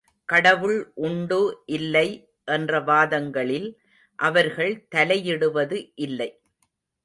கடவுள் உண்டு இல்லை என்ற வாதங்களில் அவர்கள் தலையிடுவது இல்லை.